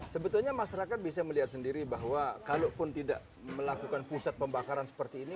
sebetulnya masyarakat bisa melihat sendiri bahwa kalaupun tidak melakukan pusat pembakaran seperti ini